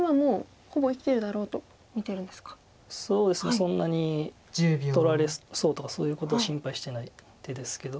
そんなに取られそうとかそういうことは心配してない手ですけど。